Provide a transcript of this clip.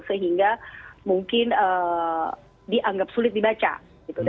sehingga mungkin dianggap sulit dibaca gitu